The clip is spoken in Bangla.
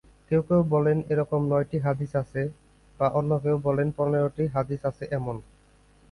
কেউ কেউ বলেন এরকম নয়টি হাদীস আছে, বা অন্য কেউ বলেন পনেরটি হাদিস আছে এমন।